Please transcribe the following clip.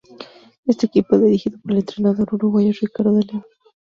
Este equipo era dirigido por el entrenador uruguayo Ricardo de León.